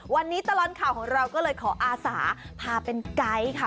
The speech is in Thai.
วันนี้ตลอดข่าวของเราก็เลยขออาสาพาเป็นไก๊ค่ะ